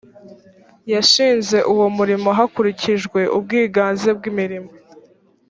yashinze uwo murimo hakurikijwe ubwiganze bw’imirimo